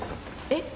えっ？